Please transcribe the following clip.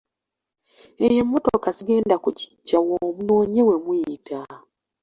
Eyo emmotoka sigenda kugiggyawo munoonye we muyita.